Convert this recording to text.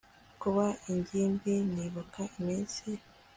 kuba ingimbi, nibuka iminsi